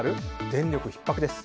電力ひっ迫です。